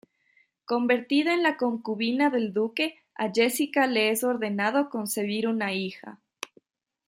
Convertida en la concubina del Duque, a Jessica le es ordenado concebir una hija.